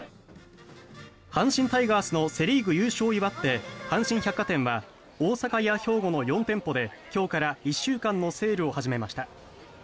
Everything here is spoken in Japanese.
阪神タイガースのセ・リーグ優勝を祝って阪神百貨店は大阪や兵庫の４店舗で今日から１週間のセールを始めました。